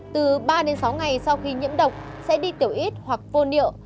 từ ba sáu ngày sau khi nhiễm độc sẽ đi tiểu ít hoặc vô niệu